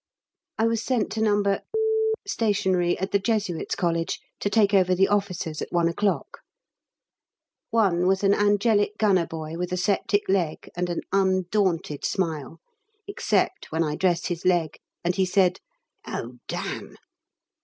I was sent to No. Stationary at the Jesuits' College to take over the officers at one o'clock. One was an angelic gunner boy with a septic leg and an undaunted smile, except when I dressed his leg and he said "Oh, damn!"